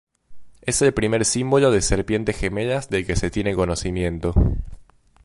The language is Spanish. Es el primer símbolo de serpientes gemelas del que se tiene conocimiento.